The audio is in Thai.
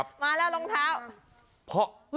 แบบนี้คือแบบนี้คือแบบนี้คือ